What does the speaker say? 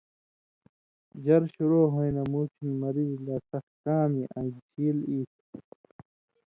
ژر شروع ہویں نہ مُوٹھیُون مریض لا سخ کامیۡ آں شیل ای تُھو۔